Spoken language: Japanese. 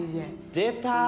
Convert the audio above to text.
出た！